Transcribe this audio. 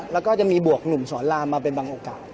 แล้วก็จะมีบวกหนุ่มสอนรามมาเป็นบางโอกาส